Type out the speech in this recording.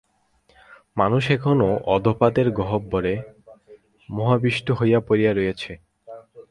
মানুষ এখনও অধঃপাতের গহ্বরে মোহাবিষ্ট হইয়াই পড়িয়া রহিয়াছে।